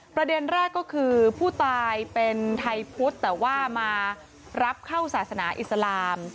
ประเด็นแรกก็คือผู้ตายเป็นไทยพุทธแต่ว่ามารับเข้าศาสนาอิสลาม